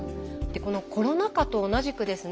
このコロナ禍と同じくですね